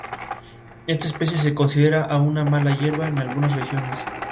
Esta especie se considera una mala hierba en algunas regiones.